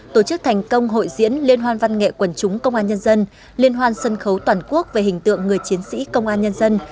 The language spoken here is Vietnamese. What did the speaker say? tổ chức thành công hội diễn liên hoan văn nghệ quần chúng công an nhân dân liên hoan sân khấu toàn quốc về hình tượng người chiến sĩ công an nhân dân